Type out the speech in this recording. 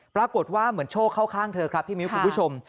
ปรากฏว่าเหมือนโชคเข้าข้างเธอครับพี่มิ้วคุณผู้ชม